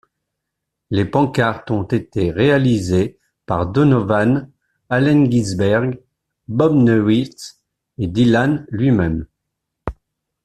Les pancartes ont été réalisées par Donovan, Allen Ginsberg, Bob Neuwirth et Dylan lui-même.